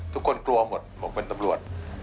ทุกคนกลัวหมดบอกเป็นตำรวจ